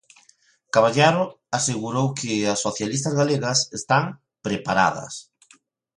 Caballero asegurou que as socialistas galegas están "preparadas".